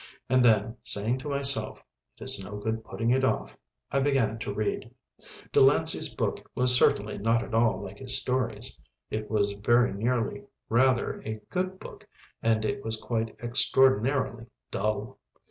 And then, saying to myself, "It is no good putting it off," I began to read. Delancey's book was certainly not at all like his stories. It was very nearly rather a good book and it was quite extraordinarily dull.